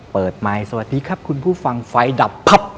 ใหม่สวัสดีครับคุณผู้ฟังไฟดับพับ